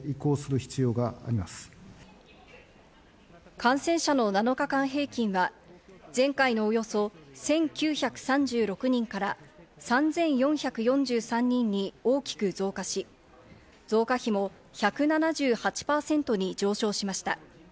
感染者の７日間平均は前回のおよそ１９３６人から３４４３人に大きく増加し、増加比も１７８％に上昇しました。